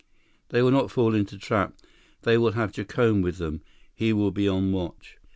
"They will not fall into trap. They will have Jacome with them. He will be on watch."